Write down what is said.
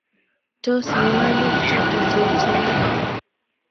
Tos, miwanik choto cheichenge?